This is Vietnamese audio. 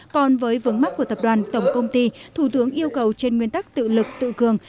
còn với vướng mắt của tập đoàn tổng công ty thủ tướng yêu cầu trên nguyên tắc tự lực tự cường